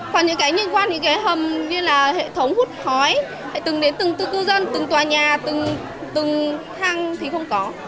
còn những hệ thống hút khói từng đến từng tư cư dân từng tòa nhà từng thang thì không có